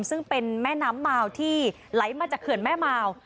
ซึ่งเป็นแม่น้ำมาวที่ไหลมาจากเขื่อนแม่มาว